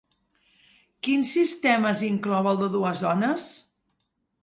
Quins sistemes inclou el de dues zones?